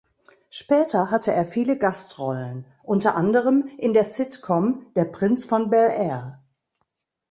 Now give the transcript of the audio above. Später hatte er viele Gastrollen, unter anderem in der Sitcom "Der Prinz von Bel-Air".